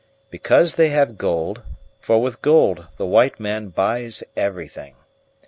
Because they have gold, for with gold the white man buys everything.